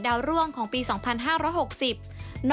กระแสรักสุขภาพและการก้าวขัด